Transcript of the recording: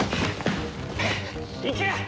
行け！